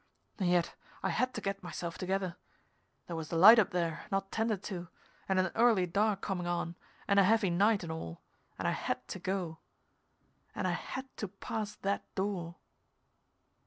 And yet I had to get myself together. There was the light up there not tended to, and an early dark coming on and a heavy night and all, and I had to go. And I had to pass that door.